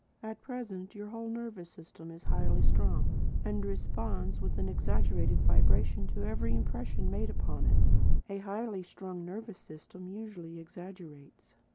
At present your whole nervous system is highly strung, and responds with an exaggerated vibration to every impression made upon it. A highly strung nervous system usually exaggerates.